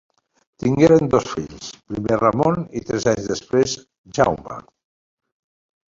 Tingueren dos fills: primer Ramon i, tres anys després, Jaume.